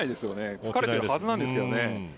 疲れているはずなんですけどね。